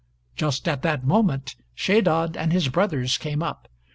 Just at that moment Shedad and his brothers came up.